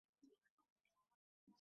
আমি কি আমার ক্লাস চালিয়ে যেতে পারি?